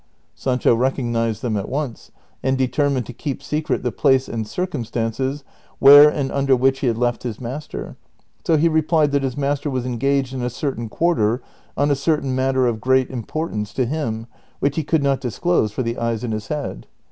" Sancho recognized them at once, and determined to kee}) secret the place and circumstances Avhere and under which he had left his master, so he replied that his master was engaged in a certain quarter on a certain matter of great importance to him which he could not disclose for the eyes in his head.